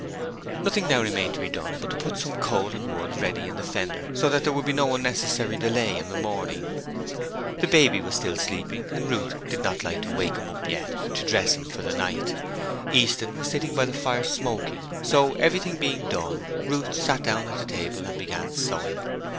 Nothing now remained to be done but to put some coal and wood ready in the fender so that there would be no unnecessary delay in the morning. The baby was still sleeping and Ruth did not like to wake him up yet to dress him for the night. Easton was sitting by the fire smoking, so everything being done, Ruth sat down at the table and began sewing.